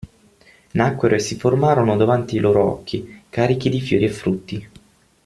Nacquero e si formarono davanti ai loro occhi, carichi di fiori e frutti.